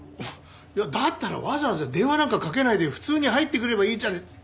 いやだったらわざわざ電話なんかかけないで普通に入ってくればいいじゃない。